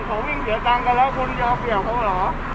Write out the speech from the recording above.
เขาวิ่งเสียตังค์กันแล้วคุณจะเอาเปรียวเขาเหรอ